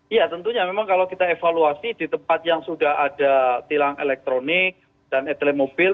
iya tentunya memang kalau kita evaluasi di tempat yang sudah ada tilang elektronik dan etelemobil